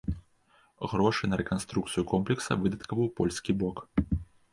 Грошы на рэканструкцыю комплекса выдаткаваў польскі бок.